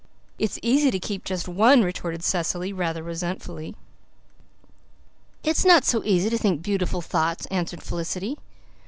"It's easy to keep just one," retorted Cecily, rather resentfully. "It's not so easy to think beautiful thoughts," answered Felicity.